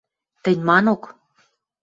– Тӹнь манок.